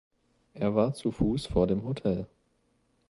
Er war zu Fuß vor dem Hotel.